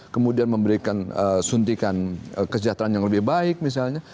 kemudian memberikan suntikan kesejahteraan yang lebih baik misalnya